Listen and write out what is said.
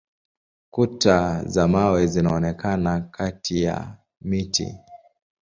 Kuta za mawe zinaonekana kati ya miti.